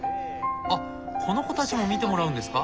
あっこの子たちも診てもらうんですか？